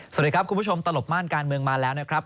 สวัสดีครับคุณผู้ชมตลบม่านการเมืองมาแล้วนะครับ